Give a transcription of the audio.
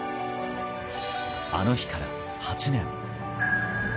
あの日から８年。